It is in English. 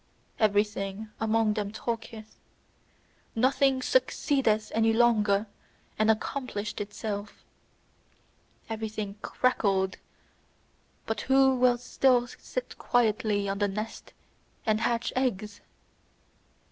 Everything among them talketh, nothing succeedeth any longer and accomplisheth itself. Everything cackleth, but who will still sit quietly on the nest and hatch eggs?